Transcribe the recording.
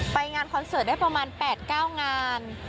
งานคอนเสิร์ตได้ประมาณ๘๙งาน